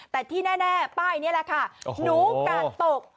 แต่ที่แน่ป้ายนี้แหละค่ะหนูกาดตก